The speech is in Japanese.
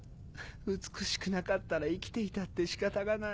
美しくなかったら生きていたって仕方がない。